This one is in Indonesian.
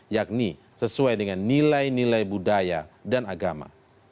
yakni sesuai dengan nilai nilai budaya dan agama